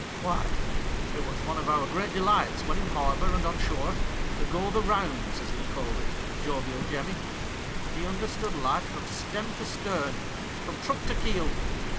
' Why, it was one of our great delights, when in harbour and on shore, to " go the rounds," — as he called it — with Jovial Jemmy. He understood life from stem to stern — from truck to keel.